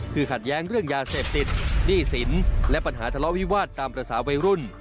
คือขัดแย้งเรื่องยาเสพติดหนี้สินและปัญหาทะเลาะวิวาสตามภาษาวัยรุ่น